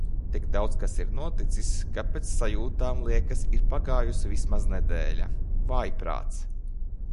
Tik daudz kas ir noticis, ka pēc sajūtām liekas ir pagājusi vismaz nedēļa. Vājprāts!